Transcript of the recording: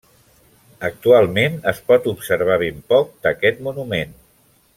Actualment es pot observar ben poc d'aquest monument.